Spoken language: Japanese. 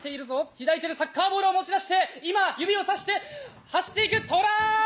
左手でサッカーボールを持ち出して今指をさして走っていくトライ！